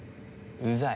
うざい。